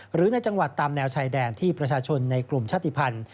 หรือในจังหวัดตามแนวชายแดนที่ประชาชนในกลุ่มชาติภัณฑ์